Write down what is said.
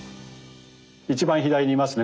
一番左にいますね。